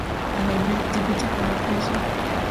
Elle a débuté par la poésie.